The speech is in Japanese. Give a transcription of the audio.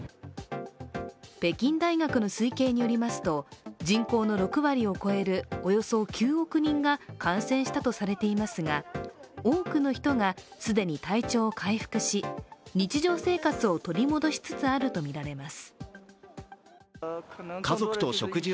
北京大学の推計によりますと人口の６割を超える、およそ９億人が感染したとされていますが、多くの人が既に体調を回復し日常生活を取り戻しつつあるとみられます。